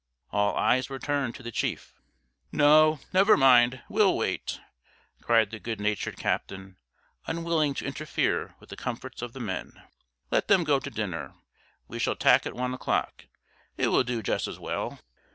All eyes were turned to the chief. "No; never mind; we'll wait," cried the good natured captain, unwilling to interfere with the comforts of the men; "let them go to dinner; we shall tack at one o'clock, it will do just as well."